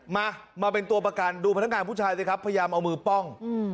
มามาเป็นตัวประกันดูพนักงานผู้ชายสิครับพยายามเอามือป้อง